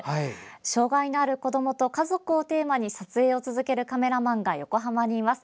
障害のある子どもと家族をテーマに撮影を続けるカメラマンが横浜にいます。